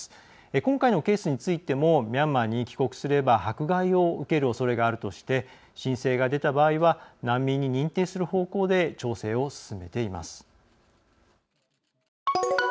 今回のケースについてもミャンマーに帰国すれば迫害を受けるおそれがあるとして申請が出た場合は難民に認定する方向で調整を進めています。